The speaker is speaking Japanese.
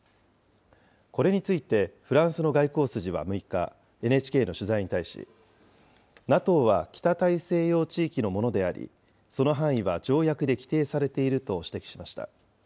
これについて、フランスの外交筋は６日、ＮＨＫの取材に対し、ＮＡＴＯは北大西洋地域のものであり、その範囲は条約で規定されていると指摘しました。